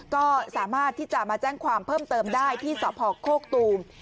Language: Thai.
ก็สามารถที่จะมาแจ้งความเพิ่มเติมได้ที่สพโคกตูม